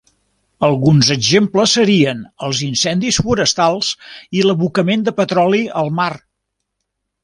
Alguns exemples serien els incendis forestals i l'abocament de petroli al mar.